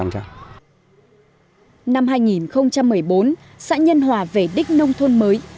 năm hai nghìn một mươi bốn xã nhân hòa về đích nông thôn mới